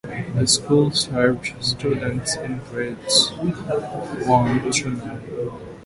The school served students in grades one through nine.